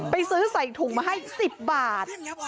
ไปซื้อใส่ถุงมาให้๑๐บาท